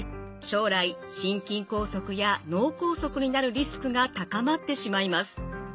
将来心筋梗塞や脳梗塞になるリスクが高まってしまいます。